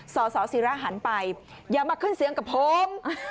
สสิระหันไปอย่ามาขึ้นเสียงกับผม